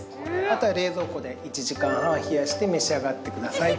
あとは冷蔵庫で１時間半冷やして召し上がってください